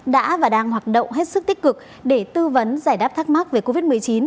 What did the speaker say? đã và đang hoạt động hết sức tích cực để tư vấn giải đáp thắc mắc về covid một mươi chín